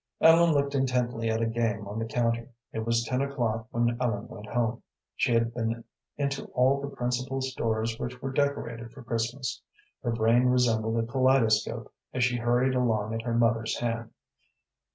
Ellen looked intently at a game on the counter. It was ten o'clock when Ellen went home. She had been into all the principal stores which were decorated for Christmas. Her brain resembled a kaleidoscope as she hurried along at her mother's hand.